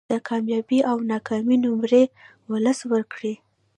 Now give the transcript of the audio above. د کامیابۍ او ناکامۍ نمرې ولس ورکړي